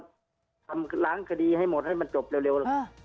ทำร้านคฏีให้หมดให้มันจบเร็ว